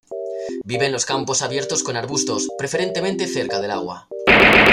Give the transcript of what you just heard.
Vive en en campos abiertos con arbustos, preferentemente cerca del agua.